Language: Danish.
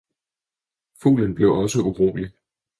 fuglen blev også urolig.